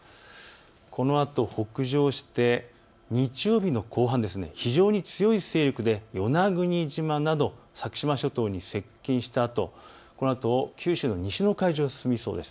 このあと北上して日曜日の後半、非常に強い勢力で与那国島など先島諸島に接近したあとこのあと九州の西の海上に進みそうです。